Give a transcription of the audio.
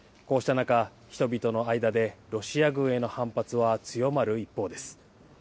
こうした中、人々の間でロシア軍への反発は強まる一方です。